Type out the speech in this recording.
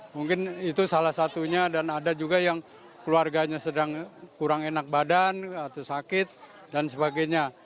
mungkin itu salah satunya dan ada juga yang keluarganya sedang kurang enak badan atau sakit dan sebagainya